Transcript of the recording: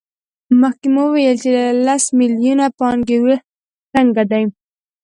مخکې مو وویل چې له سل میلیونو پانګې وېش څنګه دی